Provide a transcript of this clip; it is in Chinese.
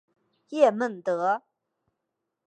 叶梦得。